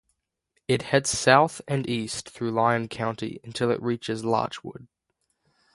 It heads south and east through Lyon County until it reaches Larchwood.